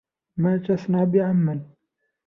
مَا تَصْنَعُ بِعَمَّنْ